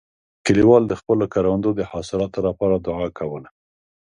کلیوال د خپلو کروندو د حاصلاتو لپاره دعا کوله.